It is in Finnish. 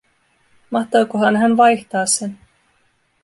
Mahtoikohan hän vaihtaa sen?